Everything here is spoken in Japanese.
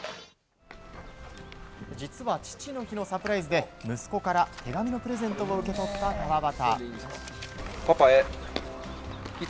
実は、父の日のサプライズで息子から手紙のプレゼントを受け取った川端。